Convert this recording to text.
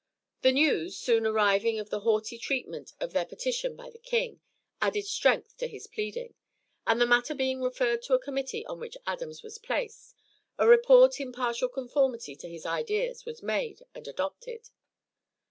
The news, soon arriving of the haughty treatment of their petition by the king, added strength to his pleading, and the matter being referred to a committee on which Adams was placed, a report in partial conformity to his ideas was made and adopted.